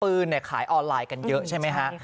อาวุธปืนเนี่ยขายออนไลน์กันเยอะใช่ไหมฮะ